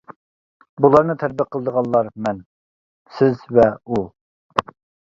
بۇلارنى تەتبىق قىلىدىغانلار مەن، سىز ۋە ئۇ.